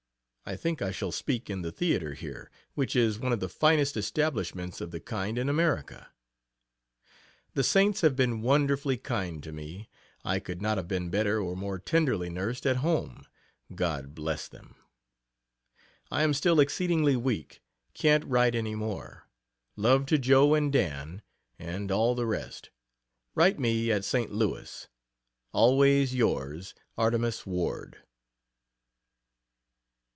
I think I shall speak in the Theater here, which is one of the finest establishments of the kind in America. The Saints have been wonderfully kind to me, I could not have been better or more tenderly nursed at home God bless them! I am still exceedingly weak can't write any more. Love to Jo and Dan, and all the rest. Write me at St. Louis. Always yours, ARTEMUS WARD.